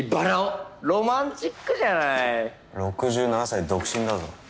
６７歳独身だぞ。